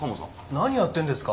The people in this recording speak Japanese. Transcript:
何やってるんですか？